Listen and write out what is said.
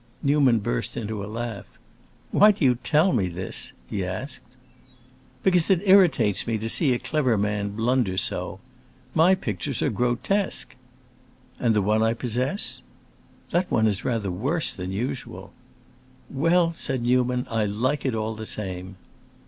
Newman burst into a laugh. "Why do you tell me this?" he asked. "Because it irritates me to see a clever man blunder so. My pictures are grotesque." "And the one I possess—" "That one is rather worse than usual." "Well," said Newman, "I like it all the same!"